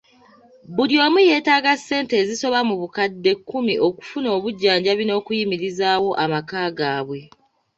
Buli omu yeetaaga ssente ezisoba mu bukadde kkumi okufuna obujjanjabi n'okuyimirizaawo amaka gaabwe.